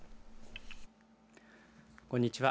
こんにちは。